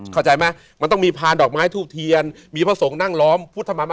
เข้าใจไหมมันต้องมีพานดอกไม้ทูบเทียนมีพระสงฆ์นั่งล้อมพุทธมา